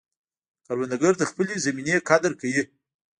کروندګر د خپلې زمینې قدر کوي